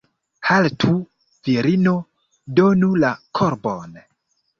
Haltu, virino, donu la korbon!